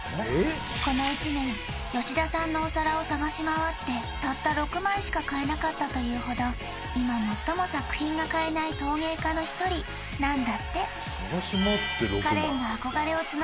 この１年吉田さんのお皿を捜し回ってたった６枚しか買えなかったというほど今最も作品が買えない陶芸家の一人なんだってカレンが憧れを募らせるポイントが